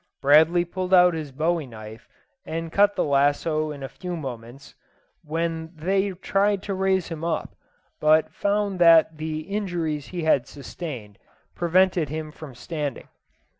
Bradley pulled out his bowie knife and cut the lasso in a few moments, when they tried to raise him up, but found that the injuries he had sustained prevented him from standing.